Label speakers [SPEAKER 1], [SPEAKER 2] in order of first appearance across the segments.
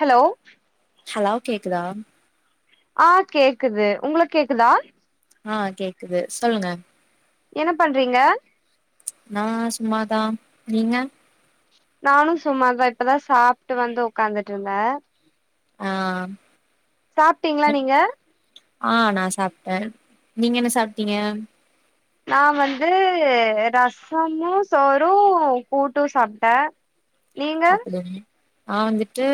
[SPEAKER 1] hello
[SPEAKER 2] hello கேக்குதா
[SPEAKER 1] ஆ கேக்குது உங்களுக்கு கேக்குதா
[SPEAKER 2] ஆ கேக்குது சொல்லுங்க
[SPEAKER 1] என்ன பண்றீங்க
[SPEAKER 2] நான் சும்மாதான் நீங்க
[SPEAKER 1] நானும் சும்மாதான் இப்பதான் சாப்ட்டு வந்து உக்காந்துட்ருந்தேன்
[SPEAKER 2] ஆ
[SPEAKER 1] சாப்ட்டீங்களா
[SPEAKER 2] என்
[SPEAKER 1] நீங்க
[SPEAKER 2] ஆ நான் சாப்ட்டேன் நீங்க என்ன சாப்ட்டீங்க
[SPEAKER 1] நான் வந்து ரசமும் சோறும் கூட்டும் சாப்ட்டேன்
[SPEAKER 2] அப்டிங் நான் வந்துட்டு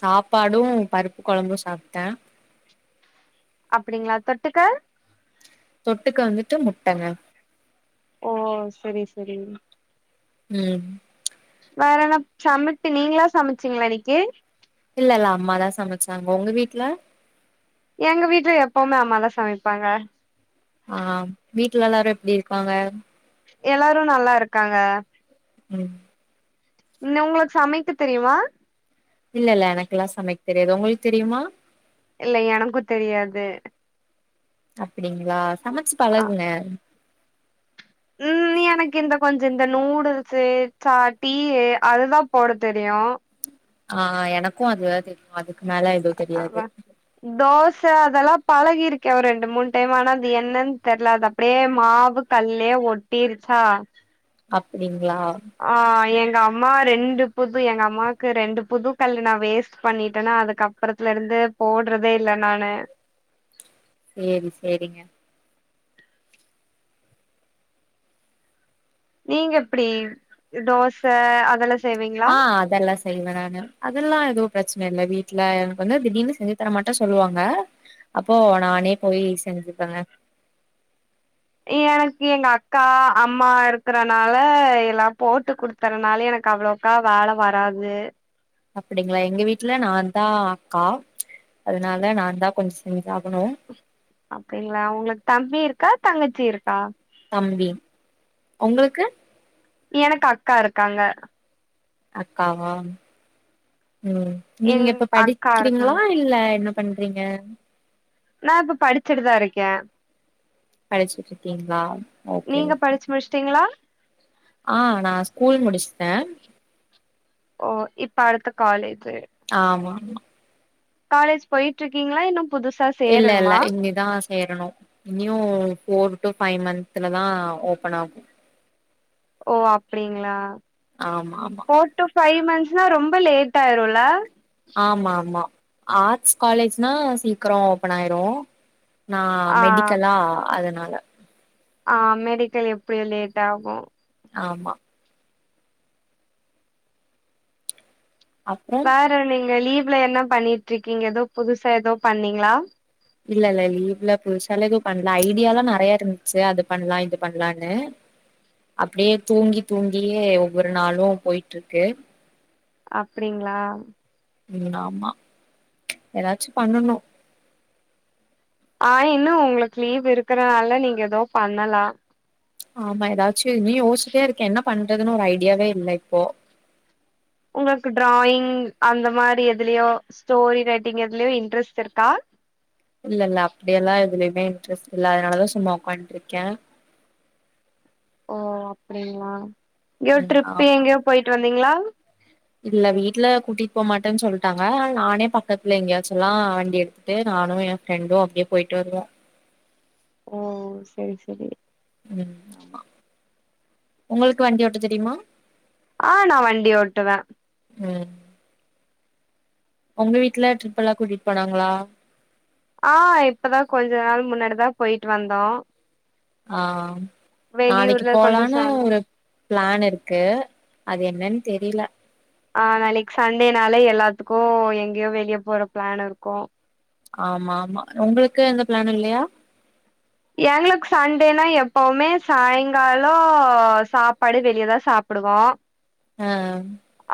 [SPEAKER 2] சாப்பாடும் பருப்பு கொழம்பும் சாப்ட்டேன்
[SPEAKER 1] அப்டிங்களா தொட்டுக்க
[SPEAKER 2] தொட்டுக்க வந்துட்டு முட்டங்க
[SPEAKER 1] ஓ செரி செரி
[SPEAKER 2] ம்
[SPEAKER 1] வேற என்ன சமப்பி நீங்களா சமச்சீங்களா இன்னிக்கி
[SPEAKER 2] இல்ல இல்ல அம்மாதான் சமச்சாங்க உங்க வீட்ல
[SPEAKER 1] எங்க வீட்ல எப்பவுமே அம்மாதான் சமைப்பாங்க
[SPEAKER 2] ஆ வீட்ல எல்லாரும் எப்டி இருக்காங்க
[SPEAKER 1] எல்லாரும் நல்லா இருக்காங்க
[SPEAKER 2] ம்
[SPEAKER 1] ம் உங்களுக்கு சமைக்க தெரியுமா
[SPEAKER 2] இல்லல்ல எனக்கெல்லா சமைக் தெரியாது உங்களுக்கு தெரியுமா
[SPEAKER 1] இல்ல எனக்குத் தெரியாது
[SPEAKER 2] அப்டிங்ளா சமைச்சு
[SPEAKER 1] ஆ
[SPEAKER 2] பழகுங்க
[SPEAKER 1] ம் நீ எனக்கு இந்த கொஞ்ச இந்த நூடுல்ஸ்ஸு சா டீ அதுதா போட தெரியு
[SPEAKER 2] ஆ எனக்கும் அது தா தெரியு அதுக்கு மேல எதுவு தெரியாது
[SPEAKER 1] அதா தோச அதெல்லாம் பழகிருக்கே ஒரு ரெண்டு மூணு டைம் ஆனா அந்த என்னன் தெர்ல அது அப் படியே மாவு கல்லே ஒட்டிருச்சா
[SPEAKER 2] அப்டிங்ளா
[SPEAKER 1] ஆ எங்கம்மா ரெண்டு புது எங்க அம்மாக்கு ரெண்டு புது கல்லு நா வேஸ்ட் பண்ணிட்டனா அதுக்கப் பறத்துலருந்து போட்றதே இல்ல நானு
[SPEAKER 2] சேரி சேரிங்க
[SPEAKER 1] நீங்க எப்டி தோச அதெல்லா செய்வீங்களா
[SPEAKER 2] ஆ அதெல்லா செய்வே நானு அதெல்லா எதுவு பிரச்சன இல்ல வீட்ல எனக்கு வந்து திடீர்னு செஞ்சி தர மாட்டே சொல்லுவாங்க அப்போ நானே போயி செஞ்சிப்பங்க
[SPEAKER 1] எனக்கு எங்க அக்கா அம்மா இருக்கறனால எல்லா போட்டு குடுத் தறனாலே எனக்கு அவ்ளோக்கா வேல வராது
[SPEAKER 2] அப்டிங்ளா எங்க வீட்ல நாந்தா அக்கா அதனால நாந்தா கொஞ்சோ செஞ்சாகணு
[SPEAKER 1] அப்டிங்ளா உங்களுக்கு தம்பி இருக்கா தங்கச்சி இருக்கா
[SPEAKER 2] தம்பி உங்ளுக்கு
[SPEAKER 1] எனக்கு அக்கா இருக்காங்க
[SPEAKER 2] அக்காவா ம் நீங்க
[SPEAKER 1] எங்
[SPEAKER 2] இப்ப
[SPEAKER 1] அக்கா
[SPEAKER 2] படிக்கிறீங்ளா
[SPEAKER 1] இருக்காங்க
[SPEAKER 2] இல்ல என்ன பண்றீங்க
[SPEAKER 1] நா இப்ப படிச்சிட்டுதா இருக்கே
[SPEAKER 2] படிச்சிட்ருக்கீங்ளா
[SPEAKER 1] நீங்க படிச்சி முடிச்சிட்டீங்ளா
[SPEAKER 2] ஆ நா ஸ்கூல் முடிச்சிட்டே
[SPEAKER 1] ஓ இப்ப அடுத்த காலேஜு
[SPEAKER 2] ஆமாமா
[SPEAKER 1] காலேஜ் போயிட்ருக்கீங்ளா இன்னு புதுசா
[SPEAKER 2] இல்லல்ல
[SPEAKER 1] சேரணுமா
[SPEAKER 2] இனிமே தா சேரணு இன்னியு போர் டு ஃபை மந்த்ல தா ஓப்பனாகு
[SPEAKER 1] ஓ அப்டிங்ளா
[SPEAKER 2] ஆமாமா
[SPEAKER 1] ஃபோர் டு ஃபை மந்த்ஸ்னா ரொம்ப லேட்டாயிருல்ல
[SPEAKER 2] ஆமாமா ஆர்ட்ஸ் காலேஜ்னா சீக்கிரோ ஓபனாயிரு நா
[SPEAKER 1] ஆ
[SPEAKER 2] மெடிக்கலா அதனால
[SPEAKER 1] ஆ மெடிக்கல் எப்டியு லேட்டாகு
[SPEAKER 2] ஆமா அப்றம்
[SPEAKER 1] செர் நீங்க லீவ்ல என்னா பண்ணிட்ருக்கீங்க எதோ புதுசா எதோ பண்ணீங்ளா
[SPEAKER 2] இல்லல்ல லீவ்ள புதுசால எது பண்ல ஐடியாலா நெறைய இருந்துச்சி அது பண்லா இது பண்லான்னு அப்டியே தூங்கி தூங்கியே ஒவ்வொரு நாளு போய்ட்ருக்கு
[SPEAKER 1] அப்டிங்ளா
[SPEAKER 2] ம் ஆமா ஏதாச்சு பண்ணணும்
[SPEAKER 1] ஆ இன்னும் உங்களுக்கு லீவ் இருக்கறனால நீங்க ஏதோ பண்ணலாம்
[SPEAKER 2] ஆமா ஏதாச்சும் இனியும் யோசிச்சிட்டே இருக்கே என்ன பண்றதுன்னு ஒரு ஐடியாவே இல்ல இப்போ
[SPEAKER 1] உங்களுக்கு ட்ராயிங் அந்த மாரி எதுலயோ ஸ்டோரி ரைட்டிங் எதுலயோ இன்ட்ரெஸ்ட் இருக்கா
[SPEAKER 2] இல்ல இல்ல அப்படியெல்லா எதுலயுமே இன்ட்ரெஸ்ட் இல்ல அதனாலதான் சும்மா ஒக்கான்ட்டு இருக்கேன்
[SPEAKER 1] ஓ அப்டிங்களா நியூ
[SPEAKER 2] ம்
[SPEAKER 1] ட்ரிப்
[SPEAKER 2] ஆமா
[SPEAKER 1] எங்கேயோ போயிட்டு வந்தீங்களா
[SPEAKER 2] இல்ல வீட்டு்ல கூட்டிட்டு போக மாட்டேன்னு சொல்லிட்டாங்க நானே பக்கத்துல எங்கயாச்சு எல்லா வண்டி எடுத்து ட்டு நானு என் ஃப்ரெண்டும் அப்படியே போய்ட்டு வருவோம்
[SPEAKER 1] ஓ சேரி சேரி
[SPEAKER 2] ம் ஆமா உங்களுக்கு வண்டி ஓட்ட தெரியுமா
[SPEAKER 1] ஆ நா வண்டி ஓட்டுவேன்
[SPEAKER 2] ஒங்க வீட்டுல ட்ரிப் எல்லாம் கூட்டிட்டு போனாங்களா
[SPEAKER 1] ஆ இப்பதா கொஞ்ச நாள் முன்னாடிதான் போயிட்டு வந்தோம்
[SPEAKER 2] ஆ நாளைக்கு
[SPEAKER 1] வெளியூர்ல கொஞ்ச
[SPEAKER 2] போலான்னு
[SPEAKER 1] சொந்தோ
[SPEAKER 2] ஒரு பிளான் இருக்கு அது என்னன்னு தெரியல
[SPEAKER 1] ஆ நாளைக்கு சண்டேனால எல்லாத்துக்கு எங்கேயோ வெளியே போற பிளான் இருக்கும்
[SPEAKER 2] ஆமா ஆமா உங்களுக்கு எந்த பிளான் இல்லயா
[SPEAKER 1] எங்களுக்கு சண்டேனா எப்பவுமே சாய்ங்காலோ சாப்பாடு வெளியதா சாப்டுவோம்
[SPEAKER 2] ஆ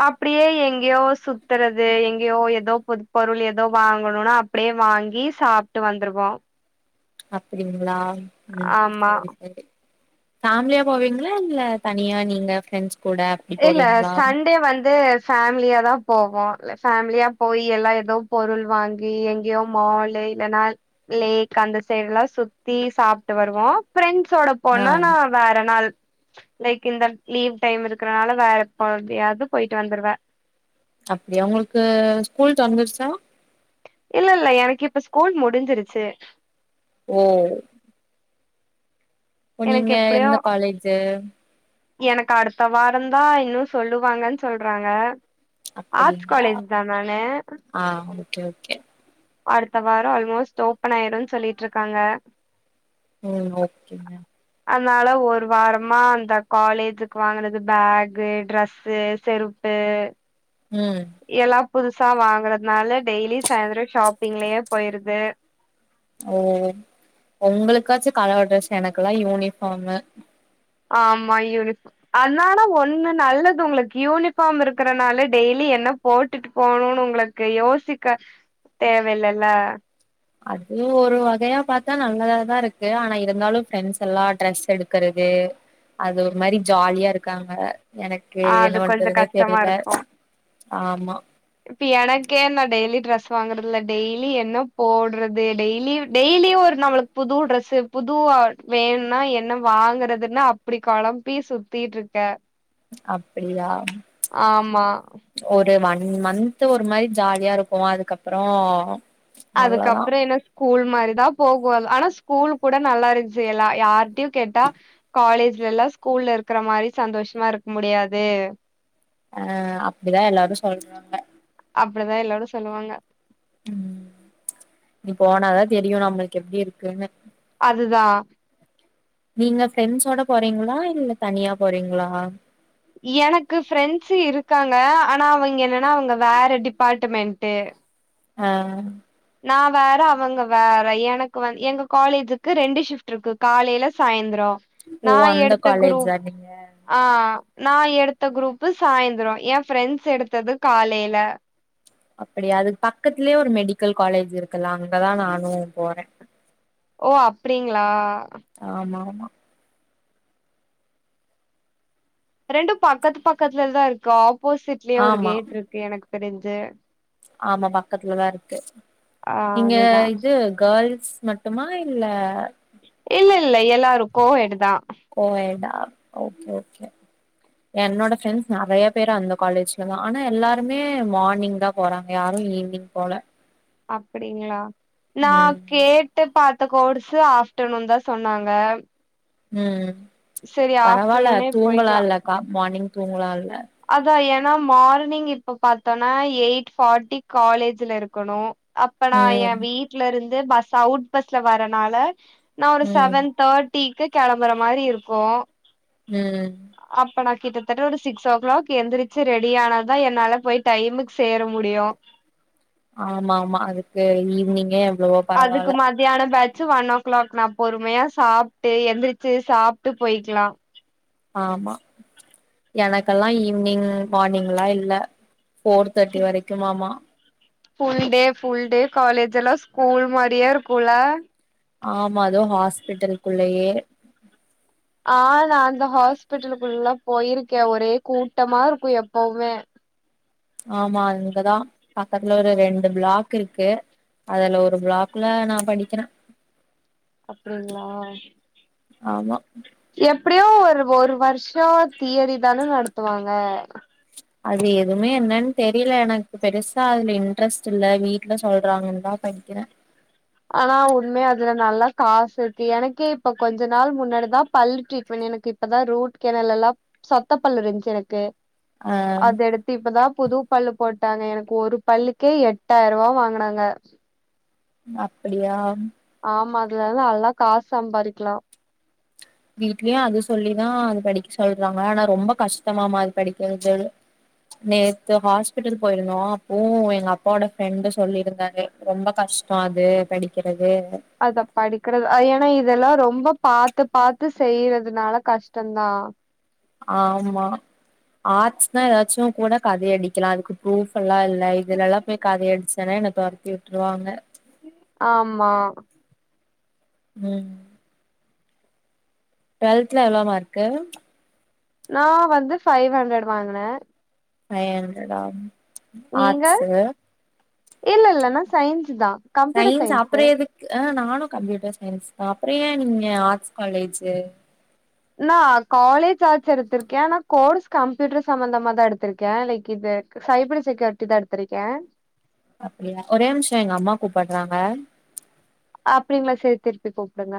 [SPEAKER 1] அப்டியே எங்கேயோ சுத்துறது எங்கேயோ ஏதோ பொ பொருள் ஏதோ வாங்கணுன்னா அப்டியே வாங்கி சாப்ட்டு வந்துருவோம்
[SPEAKER 2] அப்படிங்களா ம்
[SPEAKER 1] ஆமா
[SPEAKER 2] சேரி சேரி ஃபேமிலியா போவீங்களா இல்ல தனியா நீங்க ப்ரெண்ட்ஸ்
[SPEAKER 1] இல்ல சண்டே வந்து ஃபேமிலியாதா போவோம் ஃபேமிலியா போய் எல்லா ஏதோ பொருள் வாங்கி எங்கேயோ மால்லை இல்லனால் லேக் அந்த சைடு எல்லா சுத்தி சாப்ட்டு வருவோம் பிரெண்ட்ஸோட
[SPEAKER 2] ஆ
[SPEAKER 1] போனா நான் வேற நாள் லைக் இந்த லீவ் டைம் இருக் [unintelligible] வேற எப்படியாவது போயிட்டு வந்துருவே
[SPEAKER 2] அப்டியா உங்களுக்கு ஸ்கூல் தெறந்துருச்சா
[SPEAKER 1] இல்ல இல்ல எனக்கு இப்ப ஸ்கூல் முடிஞ்சிருச்சு
[SPEAKER 2] ஓ இப்ப நீங்க
[SPEAKER 1] எனக்கு எப்டியு
[SPEAKER 2] எந்த காலேஜு
[SPEAKER 1] எனக்கு அடுத்த வாரம் தா இன்னும் சொல்லுவாங்கன்னு சொல்றாங்க ஆர்ட்ஸ்
[SPEAKER 2] அப்டிங்களா
[SPEAKER 1] காலேஜ் தா நானு
[SPEAKER 2] ஆ ஓகே ஓகே
[SPEAKER 1] அடுத்த வாரம் ஆல்மோஸ்ட் ஓபன் ஆயிரும்ன்னு சொல்லிட்டு இருக்காங்க
[SPEAKER 2] ம் ஓகேங்க
[SPEAKER 1] அதனால ஒரு வாரமா அந்த காலேஜ்க்கு வாங்குனது பேஃகு ட்ரெஸ்ஸு செருப் [unintelligible]
[SPEAKER 2] ம்
[SPEAKER 1] எல்லா புதுசா வாங்கறதுனால டெய்லி சாய்ந்தரம் ஷாப்பிங்லயே போய்ருது
[SPEAKER 2] ஓ ஒங்களுக்காச்சு கலர் ட்ரெஸ் எனக்கெல்லா யூனிஃபார்மு
[SPEAKER 1] ஆமா யூனிஃப் அதனால ஒண்ணு நல்லது உங்களுக்கு யூனிஃபார்ம் இருக்கறனால டெய்லி என்ன போட்டுட்டு போனுனு உங்ளக்கு யோசிக்க தேவ் இல்லல்ல
[SPEAKER 2] அதூ ஒரு வகையா பாத்தா நல்லதா தா இருக்கு ஆனா இருந்தாலு ஃப்ரெண்ஸ் எல்லா ட்ரஸ் எடுக்கறதே அது ஒர் மாரி ஜாலியா இருக்காங்க எனக்கு என்ன
[SPEAKER 1] அது கொஞ்சோ
[SPEAKER 2] வண்றதுன்னே
[SPEAKER 1] கஷ்டமா
[SPEAKER 2] தெரில ஆமா
[SPEAKER 1] இப்பு எனக்கே நா டெய்லி ட்ரஸ் வாங்குறதில்ல டெய்லி என்ன போட்றதே டெய்லிவ் டெய்லியு ஓர் நம்மளுக் புது ட்ரஸ்ஸு புது ஆட் வேண்னா என்ன வாங்கறதுன்னு அப்டி கொழம்ப்பி சுத்திட்ருக்க
[SPEAKER 2] அப்பிடியா ஹுஹு
[SPEAKER 1] ஆமா
[SPEAKER 2] ஒரு வன் மந்த்து ஒரு மாய் ஜாலியா இருக்கு அதுக்கப்றோ
[SPEAKER 1] அதுக்கப்ற எனஸ் கூல் மாரிதா போகுல் ஆனா ஸ்கூல் கூட நல்லா இருந்ச்சி எலா யார்ட்யு கேட்டா காலேஜ்லல்லா ஸ்கூல்ல இருக்ற மாரி சந்தோஷமா இருக் முடியாதே
[SPEAKER 2] அ அப்டிதா எல்லாரு சொல்றாங்க
[SPEAKER 1] அப்டுதா எல்லாரு சொல்லுவாங்க
[SPEAKER 2] ம் இது போனாதா தெரியு நம்மள்க்கு எப்டி இருக்குன்னு
[SPEAKER 1] அதுதா
[SPEAKER 2] நீங்க ஃப்ரெண்ஸோட போறீங்ளா இல்ல தனியா போறீங்ளா
[SPEAKER 1] எனக்கு ஃரெண்ஸு இருக்காங்க ஆனா அவிங்க என்னன்னா அவங்க வேற டிபாட்டுமெண்ட்டு
[SPEAKER 2] ஆ
[SPEAKER 1] நா வேற அவங்க வேற எனக்கு வந் எங்க காலேஜுக்கு ரெண்டு ஷிஃப்ட்ருக்கு காலைல சாய்ந்ரோ
[SPEAKER 2] ஓ
[SPEAKER 1] நா
[SPEAKER 2] அந்த
[SPEAKER 1] எடுத்த க்ரூப்
[SPEAKER 2] காலேஜா நீங்க
[SPEAKER 1] ஆ நா எடுத்த க்ரூப்பு சாய்ந்த்ரோ ஏ ஃரெண்ட்ஸ் எடுத்தது காலைல
[SPEAKER 2] அப்பிடியா அதுக் பக்கத்துலே ஒரு மெடிக்கல் காலேஜ் இருக்கல்லா அங்கதா நானு போறே
[SPEAKER 1] ஓ அப்டிங்ளா
[SPEAKER 2] ஆமா ஆமா
[SPEAKER 1] ரெண்டு பக்கத்து பக்கத்துல்தா இருக்கு ஆப்போசிட்லே ஒரு
[SPEAKER 2] ஆமா
[SPEAKER 1] கேட்ருக்கு எனக் தெரிஞ்சே
[SPEAKER 2] ஆமா பக்கத்துலதா இருக்கு
[SPEAKER 1] ஆ
[SPEAKER 2] நீங்க
[SPEAKER 1] அதுதா
[SPEAKER 2] இது கல்ஸ் மட்டுமா இல்ல
[SPEAKER 1] இல்ல இல்ல எல்லாரு கோஹெட்டுதா
[SPEAKER 2] கோயேடா ஓகே ஓகே என்னோட ஃப்ரெண்ஸ் நறையா பேர் அந்த காலேஜ்லதா ஆனா எல்லாருமே மானிங்தா போறாங்க யாரு ஈவ்னிங் போல
[SPEAKER 1] அப்பிடிங்ளா நா
[SPEAKER 2] ம்
[SPEAKER 1] கேட் ட்டு பாத்த கோர்சு ஆஃப்டநூன்தா சொன்னாங்க
[SPEAKER 2] ம்
[SPEAKER 1] செரி
[SPEAKER 2] பரவால்ல
[SPEAKER 1] ஆஃப்டர்நூனே போய்க்கலா
[SPEAKER 2] தூங்கலால்லக்கா மானிங் தூங்லால்ல
[SPEAKER 1] அதா ஏனா மார்னிங் இப்பு பாத்தோனா எய்ட் ஃபாட்டி காலேஜ்ல இருக்குணு அப்படா ஏ
[SPEAKER 2] ம்
[SPEAKER 1] வீட்லருந்து பஸ் அவ்ட் பஸ்ல வரனால நா ஒரு
[SPEAKER 2] ம்
[SPEAKER 1] செவன் தாட்டிக்கு கெளம்புற மாரி இருக்கு
[SPEAKER 2] ம்
[SPEAKER 1] அப்ப நா கிட்டத்தட்ட ஒரு சிக்ஸ் ஸோ க்ளாக் எந்திரிச்சி ரெடி ஆனாதா என்னால போய் டைமுக் சேர முடியு
[SPEAKER 2] ஆமா ஆமா அதுக்கு ஈவ்னிங்கேம்
[SPEAKER 1] அதுக்கு மாத் தியான பேச்சு வன் ஓ க்ளாக் நா பொறுமையா சாப்ட்டு எந்திரிச்சு சாப்ட்டு பொய்க்லா
[SPEAKER 2] ஆமா எனக்கல்லா ஈவ்னிங் மார்னிங்லா இல்ல ஃபோர் தேர்ட்டி வரெக்கும்மாம்மா
[SPEAKER 1] full day full day college எல்லா ஸ்கூல்மாரியே இருக்குல்ல
[SPEAKER 2] ஆமா அதூ ஹாஸ்பிட்டல் குள்ளயே
[SPEAKER 1] ஆ நா அந்த ஹாஸ்பிட்டலுக்குள்ள போயிருக்கே ஒரே கூட்டமா இருக்கு எப்பவ்மே
[SPEAKER 2] ஆமா இங்கதா பக்கத்துல ஒரு ரெண்டு ப்ளாக் இருக்கு அதுல ஒரு ப்ளாக்ல நா படிக்கெற
[SPEAKER 1] அப்டிங்களா
[SPEAKER 2] ஆமா
[SPEAKER 1] எப்பிடியு ஒரு ஒரு வருஷோ தியரிதான நடத்துவாங்க
[SPEAKER 2] அது எதுமே என்னன்னு தெரில எனக்கு பெருசா அதுல இன்ட்ரெஸ்ட் இல்ல வீட்ல சொல்றாங்கன்தா படிக்கெற
[SPEAKER 1] ஆனா உண்மையா அதுல நல்லா காசு எத்தி எனக்கே இப்ப கொஞ்ச நாள் முன்னாடிதா பல் ட்ரீட்மண் எனக்கு இப்பதா ரூட் கேனல்லெல்லா சொத்த பல் இருந்ச்சு எனக்கு அது எடு இப்பதா புது பல்லு போட்டாங்க எனக்கு ஒரு பல்லுக்கே எட்டாயிர்வா வாங்குனாங்க
[SPEAKER 2] அப்பிடியா
[SPEAKER 1] ஆமா அதுல எல்லா நல்லா காஸ் சம்பாரிக்லா
[SPEAKER 2] வீட்லயு அது சொல்லிதா அது படிக் சொல்றாங்க ஆனா ரொம்ப கஷ்டமாம அது படிக்கெறது நேத்து ஹாஸ்பிட்டல் போய்ருந்தோ அப்போ எங்க அப்பா ஓட ஃப்ரெண்டு் சொல்லியிருந்தாரு ரொம்ப கஷ்டோ அது படிக்கெறது அ
[SPEAKER 1] அத படிக்கறது அ எனா இதெல்லா ரொம்ப பாத்து பாத்து செய்றதுனால கஷ்டொந்தா
[SPEAKER 2] ஆமா ஆர்ட்ஸ்னா எதாச்சு கூட கதை அடிக்கலா அதுக்கு ப்ரூஃப் எல்லா இல்ல இதுல எலா போய் கதை அடிச்சன்னா என்ன தொரத்தி விட்ருவாங்க
[SPEAKER 1] ஆமா
[SPEAKER 2] ம் ட்வல்த்ல எவ்ளோ மார்க்கு
[SPEAKER 1] நா வந்து ஃபைவ் ஹண்ட்ரட் வாங்குன
[SPEAKER 2] ஃபை ஹண்ட்ரடா
[SPEAKER 1] நீங்க
[SPEAKER 2] ஆர்ட்ஸு
[SPEAKER 1] இல்ல இல்ல நா சயின்ஸ்சு தா கம்ப்யூட்டர்
[SPEAKER 2] சயின்ஸ் அப்புற
[SPEAKER 1] சயின்ஸ்சு
[SPEAKER 2] எதுக்கு ஆ நானு கம்ப்யூட்டர் சயின்ஸு தா அப்பொற ஏ நீங்க ஆர்ட்ஸ் காலேஜூ
[SPEAKER 1] நா காலேஜ் ஆர்ட்ஸ் எடுத்திருக்க ஆனா கோர்ஸ் கம்ப்யூட்டர் சம்மந்தமா தா எடுத்திருக்க லைக் இது சைபர் செக்யூரிட்டி தா எடுத்திருக்க
[SPEAKER 2] அப்டியா ஒரே நிம்ஷோ எங்க அம்மா கூப்பட்றாங்க
[SPEAKER 1] அப்டிங்களா செர் செர் செர் கூப்பிடுங்க